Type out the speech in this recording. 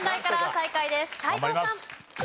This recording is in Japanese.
斎藤さん。